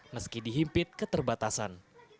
meski dihimpit keterbatasan